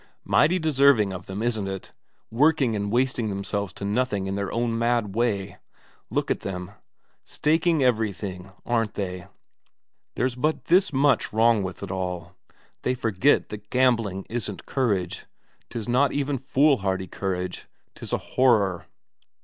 Mighty deserving of them, isn't it, working and wasting themselves to nothing in their own mad way. Look at them staking everything, aren't they? There's but this much wrong with it all; they forget that gambling isn't courage, 'tis not even foolhardy courage, 'tis a horror.